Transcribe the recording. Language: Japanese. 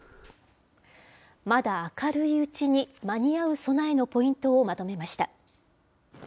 まだ明るいうちに間に合う備えのポイントをまとめました。